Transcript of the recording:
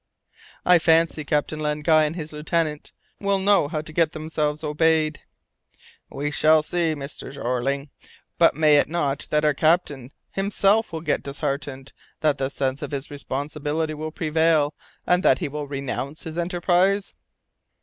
"I fancy Captain Len Guy and his lieutenant will know how to get themselves obeyed." "We shall see, Mr. Jeorling. But may it not be that our captain himself will get disheartened; that the sense of his responsibility will prevail, and that he will renounce his enterprise?"